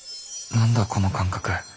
何だこの感覚。